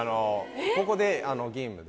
ここでゲームで。